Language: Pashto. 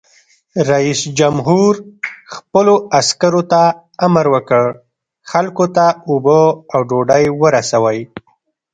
رئیس جمهور خپلو عسکرو ته امر وکړ؛ خلکو ته اوبه او ډوډۍ ورسوئ!